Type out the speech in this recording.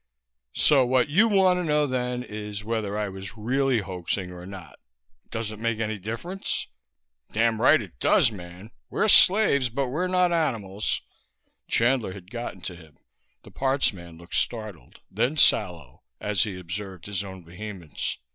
"So what you want to know, then, is whether I was really hoaxing or not. Does it make any difference?" "Damn right it does, man! We're slaves, but we're not animals!" Chandler had gotten to him; the parts man looked startled, then sallow, as he observed his own vehemence.